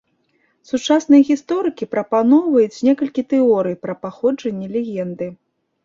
Сучасныя гісторыкі прапаноўваюць некалькі тэорый пра паходжанне легенды.